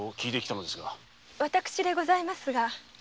私でございますが？